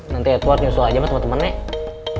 nanti edward nyusul aja sama temen temen nek